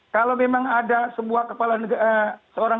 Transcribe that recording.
kalau memang ada seorang